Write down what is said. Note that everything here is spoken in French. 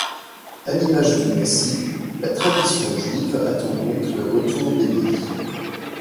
À l'image du messie, la tradition juive attend donc le retour d'Élie.